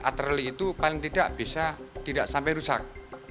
patroli itu paling tidak bisa tidak sampai rusak